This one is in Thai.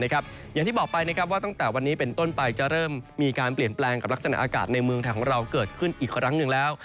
อย่างที่บอกไปว่าตั้งแต่วันนี้เป็นต้นไปจะเริ่มมีการเปลี่ยนแปลงกับลักษณะอากาศในเมืองไทยของเราเกิดขึ้นอีกครั้งหนึ่งแล้ว